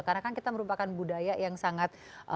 karena kan kita merupakan budaya yang sangat guna